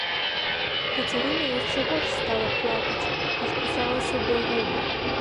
Кацярына яшчэ горш стала плакаць, аж кусала сабе губы.